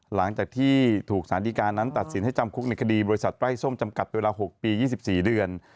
หลังจากที่ถูกสารดีการนั้นตัดสินให้จำคุกในคดีบริษัทไร้ส้มจำกัดเวลา๖ปี๒๔เดือน